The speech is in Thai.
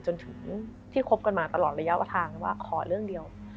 จนถึงที่คบกันมาตลอดระยะทางว่าขอเรื่องเดียว